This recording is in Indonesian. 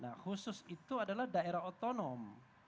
nah khusus itu adalah daerah otonom